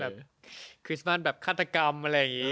แบบคิสมาสแบบฆาตกรรมอะไรอย่างนี้